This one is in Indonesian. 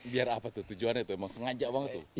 biar apa tuh tujuannya itu emang sengaja banget tuh